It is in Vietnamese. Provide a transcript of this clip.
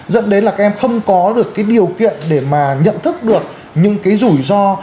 dẫn đến là các em không có được cái điều kiện để mà nhận thức được những cái rủi ro